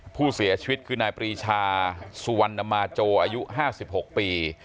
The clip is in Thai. ผู้เสียชีวิตคือนายปรีชาสุวรรณมาโจอายุ๕๖ปี